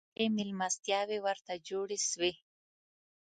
ښې مېلمستیاوي ورته جوړي سوې.